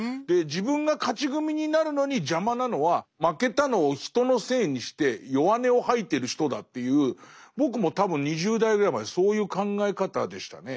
自分が勝ち組になるのに邪魔なのは負けたのを人のせいにして弱音を吐いてる人だという僕も多分２０代ぐらいまでそういう考え方でしたね。